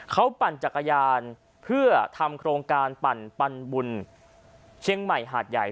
เขาปั่นจักรยานเพื่อทำโครงการปั่นบุญเชียงใหม่หาดใหญ่